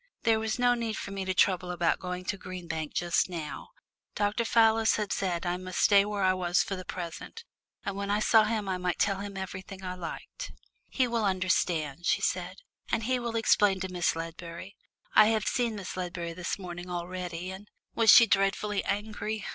There was no need for me to trouble about going back to Green Bank just now. Dr. Fallis had said I must stay where I was for the present, and when I saw him I might tell him anything I liked. "He will understand," she said, "and he will explain to Miss Ledbury. I have seen Miss Ledbury this morning already, and " "Was she dreadfully angry?"